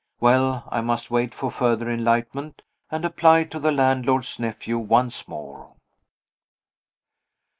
Well, I must wait for further enlightenment, and apply to the landlord's nephew once more.